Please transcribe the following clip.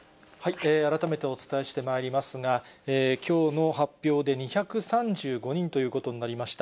改めてお伝えしてまいりますが、きょうの発表で２３５人ということになりました。